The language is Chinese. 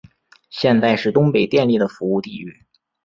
现在是东北电力的服务地域。